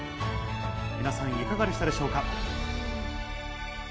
皆さん、いかがでしたでしょうか？